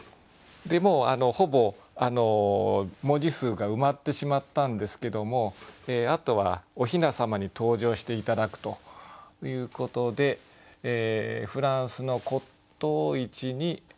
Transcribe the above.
ほぼ文字数が埋まってしまったんですけどもあとはおひなさまに登場して頂くということで「フランスの骨董市に」